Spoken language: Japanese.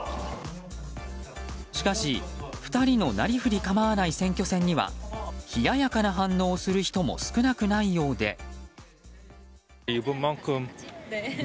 しかし、２人のなりふり構わない選挙戦には冷ややかな反応をする人も少なくないようで。